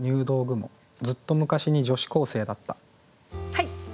はい！